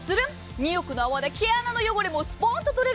２億の泡で毛穴の汚れもスポンと取れる。